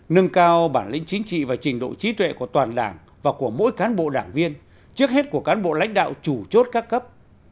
nâng cao bản lĩnh chính trị và trình độ trí tuệ của toàn đảng và của mỗi cán bộ đảng viên trước hết của cán bộ lãnh đạo chủ chốt các cấp